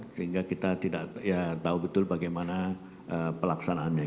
sehingga kita tidak tahu betul bagaimana pelaksanaannya